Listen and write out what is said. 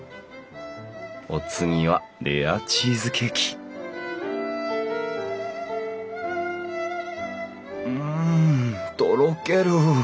お次はレアチーズケーキうんとろける！